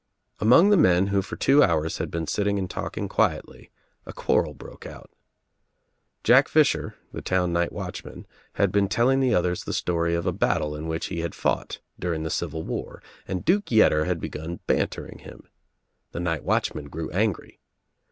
Among the men who for two hours had been sitting and talking quietly a quarrel broke out. Jack Fisher the town nightwatchman had been telling the others the story of a battle in which he had fought during the Civil War and Duke Yetter had begun bantering him. The nightwatchman grew angry.